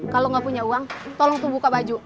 kalo gak punya uang tolong tuh buka baju